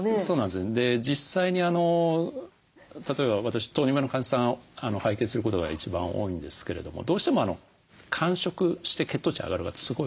実際に例えば私糖尿病の患者さんを拝見することが一番多いんですけれどもどうしても間食して血糖値上がる方すごい多いんですね。